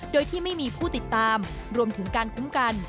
โดยที่ไม่มีผู้ติดตามรวมถึงการคุ้มกัน